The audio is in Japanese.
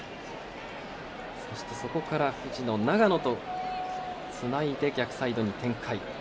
そこから、藤野長野とつないで逆サイドに展開。